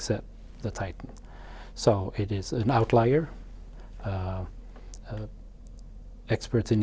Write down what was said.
apa yang akan kita lakukan